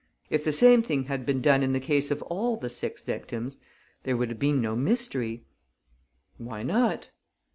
If the same thing had been done in the case of all the six victims, there would have been no mystery." "Why not?"